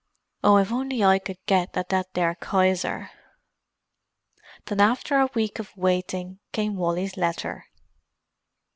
Oh, if I could only get at that there Kayser!" Then, after a week of waiting, came Wally's letter.